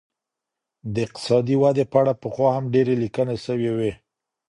د اقتصادي ودي په اړه پخوا هم ډیري لیکنې سوې وې.